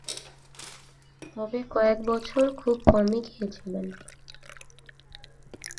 তবে, কয়েকবছর খুব কমই খেলেছিলেন।